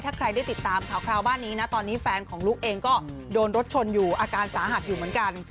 ถ้าใครได้ติดตามข่าวบ้านนี้นะตอนนี้แฟนของลูกเองก็โดนรถชนอยู่อาการสาหัสอยู่เหมือนกัน